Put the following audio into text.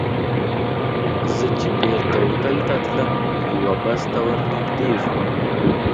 زه چې بېرته هوټل ته تلم، یوه بس ته ور نږدې شوم.